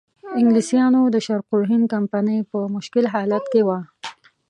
انګلیسانو د شرق الهند کمپنۍ په مشکل حالت کې وه.